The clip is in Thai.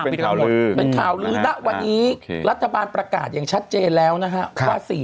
เป็นข่าวลื้อนะวันนี้รัฐบาลประกาศอย่างชัดเจนแล้วนะฮะว่า